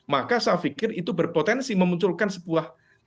maka saya pikir itu berpotensi memunculkan sebuah